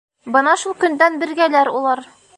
Бына шул көндән бергәләр улар.